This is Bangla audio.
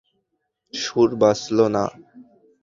সুর বাজল না।